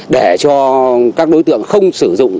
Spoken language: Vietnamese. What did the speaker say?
để cho các đối tượng không sử dụng